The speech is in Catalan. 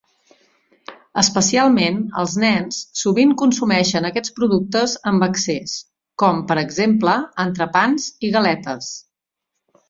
Especialment els nens sovint consumeixen aquests productes amb excés, com, per exemple, entrepans i galetes.